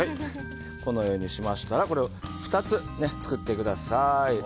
このようにしましたら２つ作ってください。